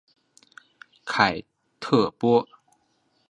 凯特波。